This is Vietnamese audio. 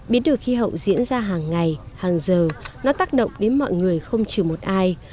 biến đổi khí hậu diễn ra hàng ngày hàng giờ nó tác động đến mọi người không trừ một ai